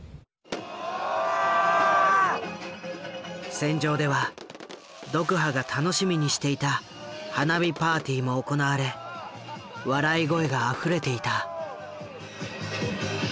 船上ではドクハが楽しみにしていた花火パーティーも行われ笑い声があふれていた。